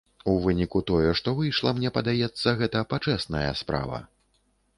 У выніку тое, што выйшла, мне падаецца, гэта пачэсная справа.